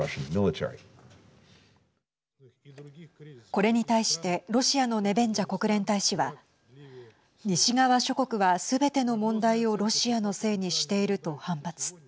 これに対してロシアのネベンジャ国連大使は西側諸国は、すべての問題をロシアのせいにしていると反発。